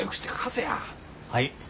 はい。